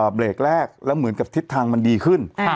เบรกแรกแล้วเหมือนกับทิศทางมันดีขึ้น